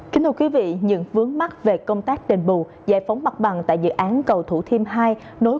kính thưa quý vị những vướng mắt về công tác đền bù giải phóng mặt bằng tại dự án cầu thủ thiêm hai nối